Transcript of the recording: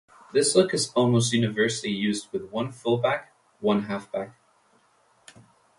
This look is almost universally used with one fullback one halfback.